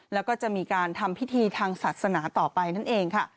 แล้วก็จะมีการทำพิธีทางศาสนาต่อไปนั่นเองค่ะ